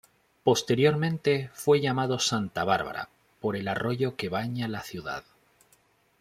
Posteriormente fue llamado Santa Bárbara, por el arroyo que baña la ciudad.